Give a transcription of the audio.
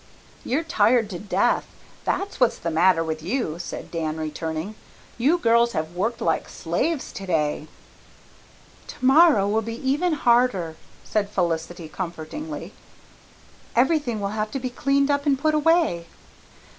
"You're tired to death, that's what's the matter with you," said Dan, returning. "You girls have worked like slaves today." "Tomorrow will be even harder," said Felicity comfortingly. "Everything will have to be cleaned up and put away."